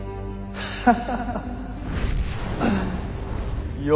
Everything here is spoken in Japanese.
ハハハハハ！